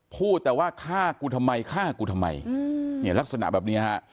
พูดแต่ว่าฆ่ากูทำไมฆ่ากูทำไมเนี่ยลักษณะแบบนี้ฮะ